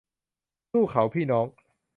สู้เขาพี่น้อง